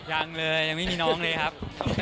ยังเลยยังไม่มีน้องเลยครับ